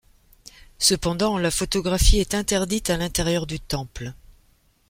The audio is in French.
Cependant, la photographie est interdite à l'intérieur du temple.